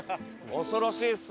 恐ろしいです。